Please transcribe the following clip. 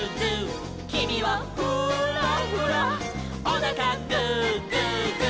「きみはフーラフラ」「おなかグーグーグー」